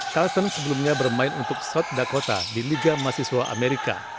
carlton sebelumnya bermain untuk south dakota di liga masiswa amerika